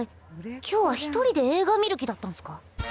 今日は一人で映画見る気だったんすか？